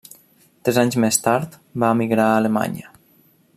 Tres anys més tard, va emigrar a Alemanya.